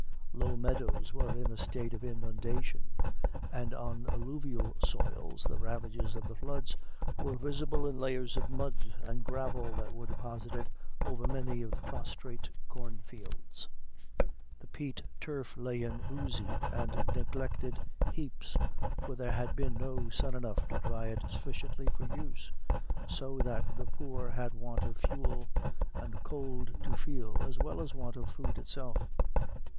Low meadows were in a state of inundation, and on alluvial soils the ravages of the floods Were visible in layers of mud and gravel that were deposited over many of the prostrate corn fields. The peat turf lay in oozy and neglected heaps, for there had not been sun enough to dry it sufficiently for use, so that the poor had want of fuel, and cold to feel, as well as want of food itself.